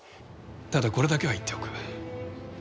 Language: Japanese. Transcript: ただこれだけは言っておく。